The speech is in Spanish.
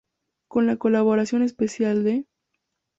Con la colaboración especial de